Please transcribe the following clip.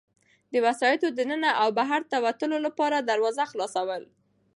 د وسایطو د ننه او بهرته د وتلو لپاره دروازه خلاصول.